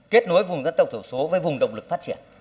kết nối vùng dân tộc thiểu số với vùng động lực phát triển